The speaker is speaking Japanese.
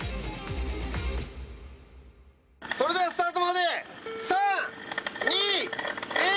それではスタートまで３・２・１。